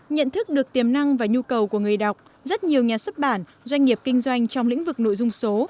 nhận thức được tiềm năng và nhu cầu của người đọc rất nhiều nhà xuất bản doanh nghiệp kinh doanh trong lĩnh vực nội dung số